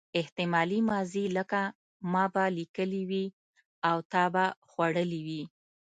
احتمالي ماضي لکه ما به لیکلي وي او تا به خوړلي وي.